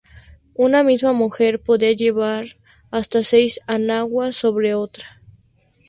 Una misma mujer podía llevar hasta seis enaguas, una sobre otra.